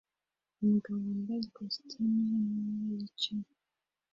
Umugabo wambaye ikositimu y'amabara yicaye